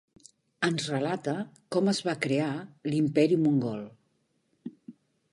Ens relata com es va crear l'imperi mongol.